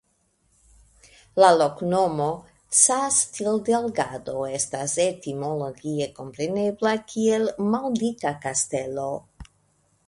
La loknomo "Castildelgado" estas etimologie komprenebla kiel "Maldika Kastelo".